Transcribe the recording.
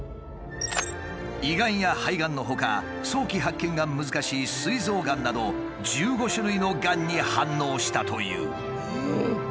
胃がんや肺がんのほか早期発見が難しいすい臓がんなど１５種類のがんに反応したという。